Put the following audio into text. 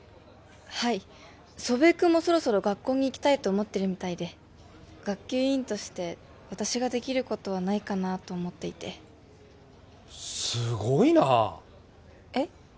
はい祖父江君もそろそろ学校に行きたいと思ってるみたいで学級委員として私ができることはないかなと思っていてすごいなあえっ？